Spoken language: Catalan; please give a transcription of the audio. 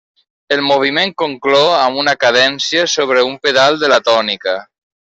El moviment conclou amb una cadència sobre un pedal de la tònica.